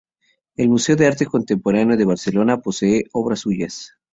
El Museo de Arte Contemporáneo de Barcelona posee obras suyas.